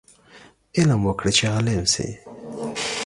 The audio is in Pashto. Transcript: علم وکړه چې عالم شې